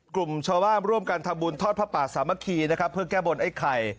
กลุ่มชาวบ้านร่วมกันทำบุญทอดพระป่าสามัคคีนะครับเพื่อแก้บนไอ้ไข่